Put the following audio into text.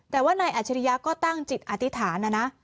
แต่ว่านายอัจฉริยะก็ตั้งจิตอธิษฐานนะนะ